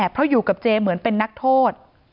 เพราะอยู่กับเจเหมือนเป็นนักโทษ